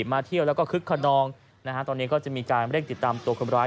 มาเที่ยวแล้วก็คึกขนองนะฮะตอนนี้ก็จะมีการเร่งติดตามตัวคนร้าย